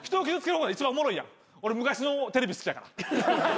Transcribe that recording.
俺昔のテレビ好きやから。